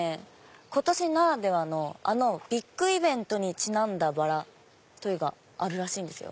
今年ならではのあのビッグイベントにちなんだバラがあるらしいんですよ。